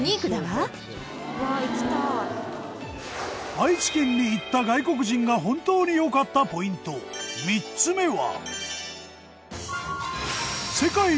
愛知県に行った外国人が本当に良かったポイント３つ目は。